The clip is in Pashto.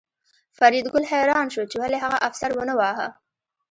فریدګل حیران شو چې ولې هغه افسر ونه واهه